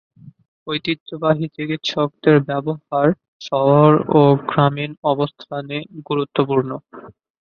ঐতিহ্যবাহী চিকিৎসকদের ব্যবহার শহর ও গ্রামীণ অবস্থানে গুরুত্বপূর্ণ।